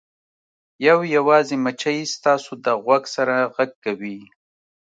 یو یوازې مچۍ ستاسو د غوږ سره غږ کوي